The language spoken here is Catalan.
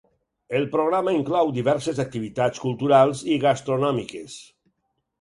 El programa inclou diverses activitats culturals i gastronòmiques.